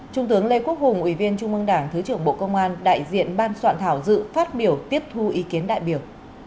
trung tướng lê quốc hùng ủy viên trung mương đảng thứ trưởng bộ công an đại diện ban soạn thảo dự phát biểu tiếp thu ý kiến đại biểu